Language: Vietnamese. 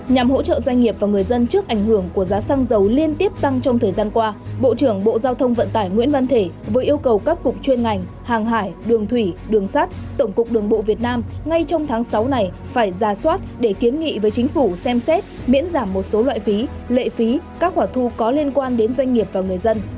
nhằm hỗ trợ doanh nghiệp và người dân trước ảnh hưởng của giá xăng dầu liên tiếp tăng trong thời gian qua bộ trưởng bộ giao thông vận tải nguyễn văn thể vừa yêu cầu các cục chuyên ngành hàng hải đường thủy đường sắt tổng cục đường bộ việt nam ngay trong tháng sáu này phải ra soát để kiến nghị với chính phủ xem xét miễn giảm một số loại phí lệ phí các quả thu có liên quan đến doanh nghiệp và người dân